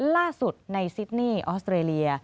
ล่าสุดในซิดนี่ออสเตรเลีย